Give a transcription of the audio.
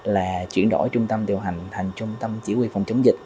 là chuyển đổi trung tâm điều hành thành trung tâm chỉ huy phòng chống dịch